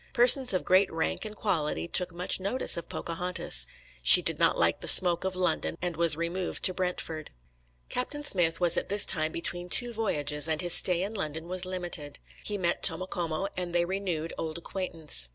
Persons of great "rank and quality" took much notice of Pocahontas. She did not like the smoke of London, and was removed to Brentford. Captain Smith was at this time between two voyages and his stay in London was limited. He met Tomocomo, and they renewed old acquaintance.